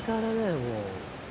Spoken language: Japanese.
もう。